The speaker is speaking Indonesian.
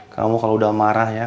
kamu kalau udah marah